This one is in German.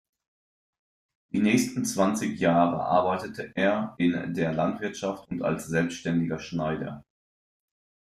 Die nächsten zwanzig Jahre arbeitete er in der Landwirtschaft und als selbstständiger Schneider.